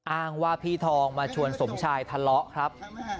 อ้างว่าพี่ทองมาชวนสมชายทะเลาะครับ